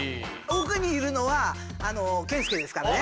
奥にいるのは健介ですからね。